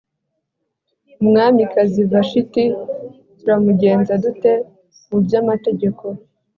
Umwamikazi Vashiti turamugenza dute mu by’amategeko